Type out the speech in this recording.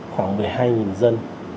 khoảng một mươi hai dân